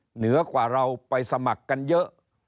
เหนือกว่าเราไปสมัครกันเยอะ